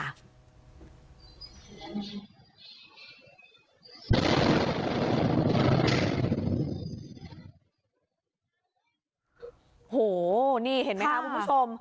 โอ้โหนี่เห็นไหมคะคุณผู้ชม